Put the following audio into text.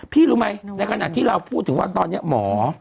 รู้ไหมในขณะที่เราพูดถึงว่าตอนนี้หมอ